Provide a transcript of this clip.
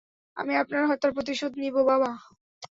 আমি আপনার হত্যার প্রতিশোধ নিবো, বাবা।